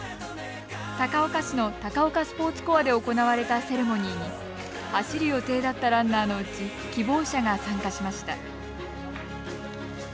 高岡市の高岡スポーツコアで行われたセレモニーに走る予定だったランナーのうち希望者が参加しました。